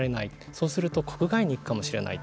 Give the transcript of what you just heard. そうすると国外に行くかもしれない。